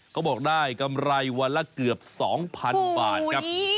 เขาบอกได้กำไรวันละเกือบ๒๐๐๐บาทครับ